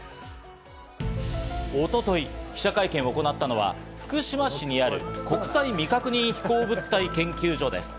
一昨日、記者会見を行ったのは、福島市にある国際未確認飛行物体研究所です。